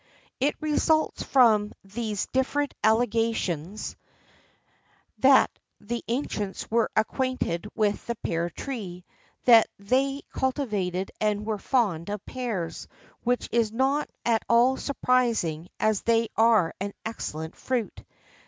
[XIII 14] It results from these different allegations that the ancients were acquainted with the pear tree; that they cultivated and were fond of pears, which is not at all surprising, as they are an excellent fruit.